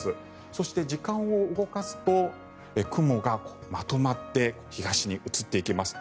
そして、時間を動かすと雲がまとまって東に移っていきます。